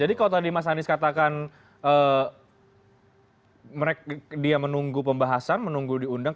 jadi kalau tadi mas anies katakan dia menunggu pembahasan menunggu diundang